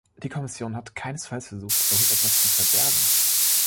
Die Kommission hat keinesfalls versucht, irgend etwas zu verbergen.